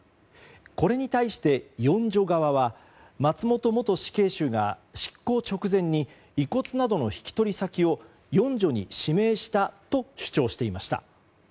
これに対して４女側は松本元死刑囚が執行直前に遺骨などの引き取り先を四女に指名したと主張していました。